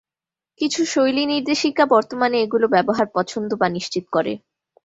কিছু শৈলী নির্দেশিকা বর্তমানে এগুলো ব্যবহার পছন্দ বা নিশ্চিত করে।